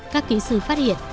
các kỹ sư phát hiện